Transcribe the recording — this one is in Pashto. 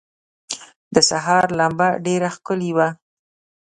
د سهار لمبه ډېره ښکلي وه.